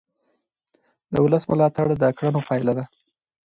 د ولس ملاتړ د کړنو پایله ده